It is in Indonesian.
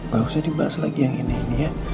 gak usah dibahas lagi yang ini ini ya